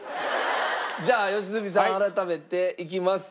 じゃあ良純さん改めていきます。